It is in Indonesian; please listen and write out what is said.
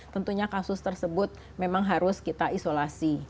tentunya kasus tersebut memang harus kita isolasi